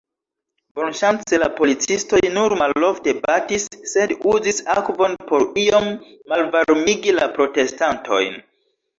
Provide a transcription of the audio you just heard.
Bonŝance la policistoj nur malofte batis, sed uzis akvon, por iom malvarmigi la protestantojn.